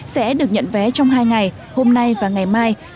sẽ được nhận vé trong hai ngày hôm nay và ngày mai